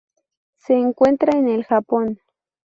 Se encuentra en el Japón.